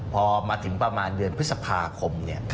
พอมาถึงประมาณเดือนพฤษภาคม